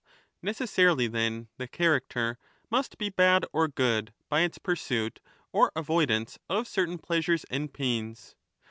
Necessarily, then, the character must be bad or good by its pursuit or avoid ance of certain pleasures and pains.